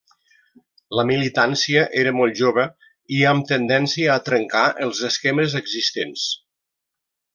La militància era molt jove i amb tendència a trencar els esquemes existents.